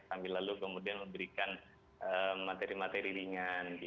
sambil lalu kemudian memberikan materi materi ringan